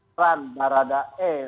peran barat dae